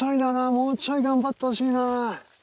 もうちょい頑張ってほしいな。